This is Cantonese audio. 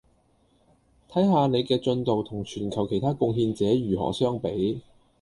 睇下您的進度同全球其他貢獻者如何相比